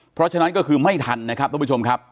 เพราะฉะนั้นก็คือไม่ทันนะครับทุกผู้ชมครับ